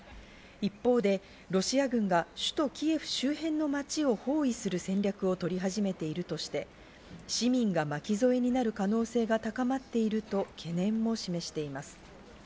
一方でロシア軍が首都・キエフ周辺の街を包囲する戦略を取り始めているとして、市民が巻き沿いになる可能性が高まっていると懸念も示しています。